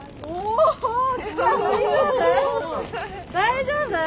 大丈夫？